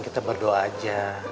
sekarang kita berdoa aja